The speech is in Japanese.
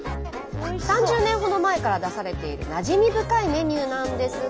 ３０年ほど前から出されているなじみ深いメニューなんですが。